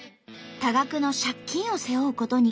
多額の借金を背負うことに。